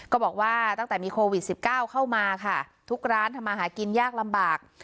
ก็บอกว่าตั้งแต่มีโควิด๑๙เข้ามาค่ะทุกร้านทำมาหากินยากลำบาก